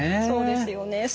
そうですよね。